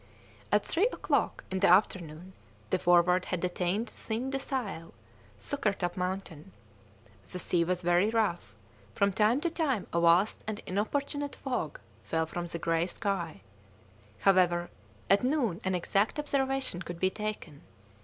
At three o'clock in the afternoon the Forward had attained Thin de Sael, Sukkertop Mountain; the sea was very rough; from time to time a vast and inopportune fog fell from the grey sky; however, at noon an exact observation could be taken.